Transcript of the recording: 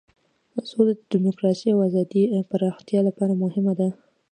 سوله د دموکراسۍ او ازادۍ پراختیا لپاره مهمه ده.